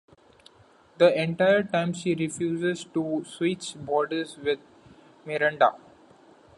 The entire time she refuses to switch bodies with Miranda.